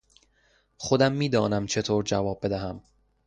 خودم میدانم چطور جواب بدهم.